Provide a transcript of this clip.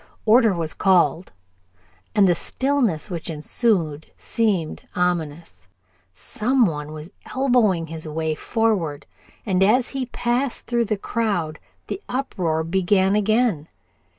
Order was called, and the stillness which ensued seemed ominous. Some one was elbowing his way forward, and as he passed through the crowd the uproar began again.